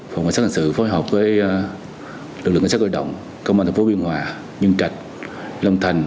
phòng quản sát hành sự phối hợp với lực lượng cảnh sát hội động công an tp biên hòa nhân cạch lâm thành